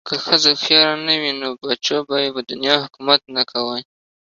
که ښځه هوښیاره نه وی نو بچو به ېې په دنیا حکومت نه کوه